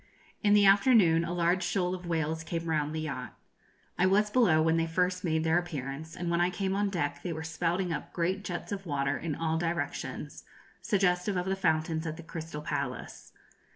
In the afternoon a large shoal of whales came round the yacht. I was below when they first made their appearance, and when I came on deck they were spouting up great jets of water in all directions, suggestive of the fountains at the Crystal Palace.